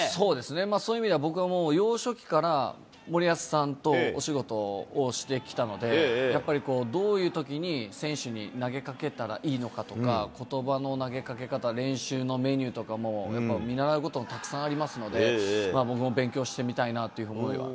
そういう意味では、僕がもう幼少期から、森保さんとお仕事をしてきたので、やっぱりどういうときに選手に投げかけたらいいのかとか、ことばの投げかけ方、練習のメニューとかも、やっぱ見習うこともたくさんありますので、僕も勉強してみたいなという思いは。